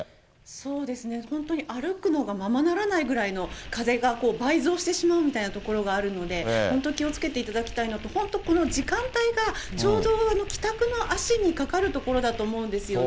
そうですね、本当に歩くのがままならないぐらいの風が倍増してしまうみたいなところがあるので、本当に気をつけていただきたいのと、本当、この時間帯がちょうど帰宅の足にかかるところだと思うんですよね。